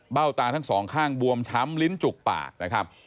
เบ้าตาทั้ง๒ข้างบวมช้ำลิ้นจุกปาก